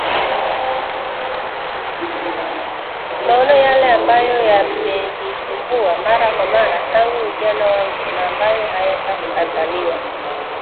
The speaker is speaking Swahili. maono yale ambayo yamenisumbua mara kwa mara tangu ujana wangu na ambayo hayatakataliwa